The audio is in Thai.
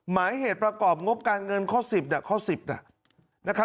หมายเหตุประกอบงบการเงินข้อ๑๐นะ